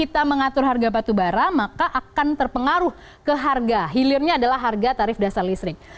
jadi once kita mengatur harga batubara maka akan terpengaruh ke harga hilirnya adalah harga tarif dasar listrik